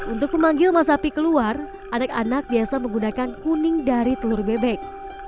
untuk memanggil masapi keluar anak anak biasa menggunakan kuning dari telur bebek